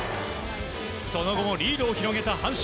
その後もリードを広げた阪神。